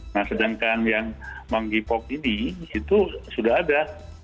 nah sedangkan yang meng gipok ini itu sudah ada